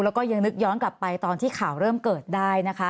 แล้วก็ยังนึกย้อนกลับไปตอนที่ข่าวเริ่มเกิดได้นะคะ